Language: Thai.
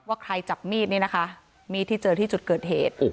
ว่าใครจับมีดนี่นะคะมีดที่เจอที่จุดเกิดเหตุ